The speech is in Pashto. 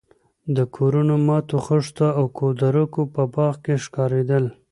د کورونو ماتو خښتو او کودرکو په باغ کې ښکارېدل.